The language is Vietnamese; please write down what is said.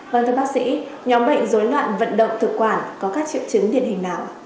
vâng thưa bác sĩ nhóm bệnh dối loạn vận động thực quản có các triệu chứng điển hình nào